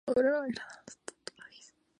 Lo sé de buena tinta